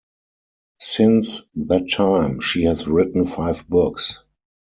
Since that time, she has written five books.